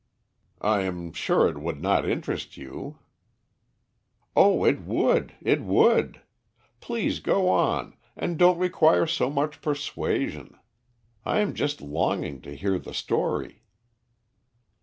"I am sure it would not interest you." "Oh, it would, it would. Please go on, and don't require so much persuasion. I am just longing to hear the story."